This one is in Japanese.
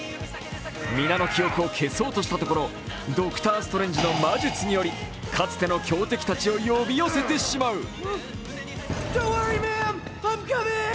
皆の記憶を消そうとしたところ、ドクター・ストレンジの魔術によりかつての強敵たちを呼び寄せてしまう。